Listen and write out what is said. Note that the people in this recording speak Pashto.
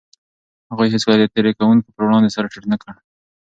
هغوی هيڅکله د تېري کوونکو پر وړاندې سر ټيټ نه کړ.